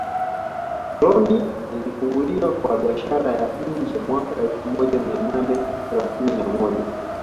Koloni lilifunguliwa kwa biashara ya nje mwaka elfu moja mia nane thelathini na moja